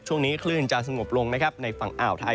ช่วงนี้คลื่นจะสงบลงนะครับในฝั่งอ่าวไทย